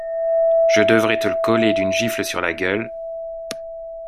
Je devrais te le coller d’une gifle sur la gueule...